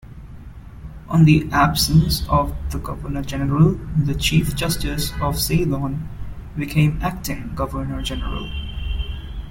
On the absence of the governor-general, the Chief Justice of Ceylon became acting Governor-General.